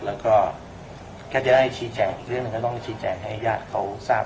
แล้วก็ถ้าจะได้ชี้แจงอีกเรื่องหนึ่งก็ต้องชี้แจงให้ญาติเขาทราบ